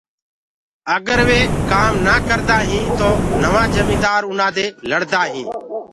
اگر وي ڪآم نآ ڪردآهيٚنٚ تو نوآ جميدآر اُنآ دي لڙدآ هينٚ۔